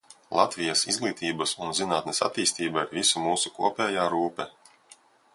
Latvijas izglītības un zinātnes attīstība ir visu mūsu kopējā rūpe.